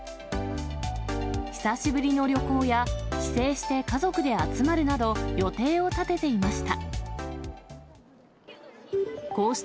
久しぶりの旅行や、帰省して家族で集まるなど、予定を立てていました。